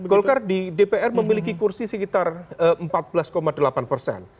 golkar di dpr memiliki kursi sekitar empat belas delapan persen